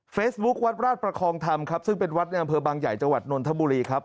วัดราชประคองธรรมครับซึ่งเป็นวัดในอำเภอบางใหญ่จังหวัดนนทบุรีครับ